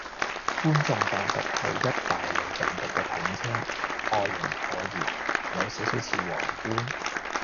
冠狀病毒係一大類病毒嘅統稱，外形橢圓，有少少似王冠